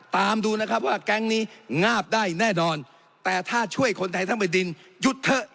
ตามดูนะครับว่าแก๊งนี้งาบได้แน่นอนแต่ถ้าช่วยคนไทยทั้งแผ่นดินหยุดเถอะ